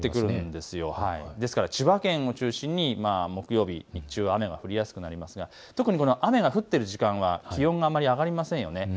ですから千葉県を中心に木曜日、日中は雨が降りやすくなりますが特に雨が降っている時間は気温があまり上がりません。